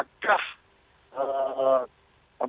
mungkin bisa lebih stop karena